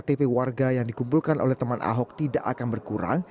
ktp warga yang dikumpulkan oleh teman ahok tidak akan berkurang